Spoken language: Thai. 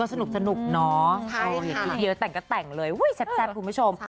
ก็สนุกเนาะอีกเยอะแต่งก็แต่งเลยชัดคุณผู้ชม